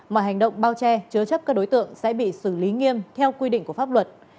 mọi hành động bao che chứa chấp các đối tượng sẽ bị xử lý nghiêm theo quy định của pháp luật